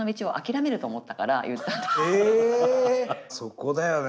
えそこだよね。